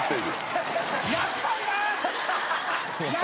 やっぱりな！